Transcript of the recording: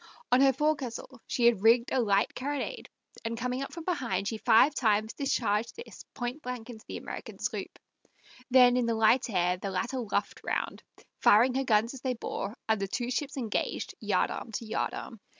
On her forecastle she had rigged a light carronade, and coming up from behind, she five times discharged this pointblank into the American sloop; then in the light air the latter luffed round, firing her guns as they bore, and the two ships engaged yard arm to yard arm.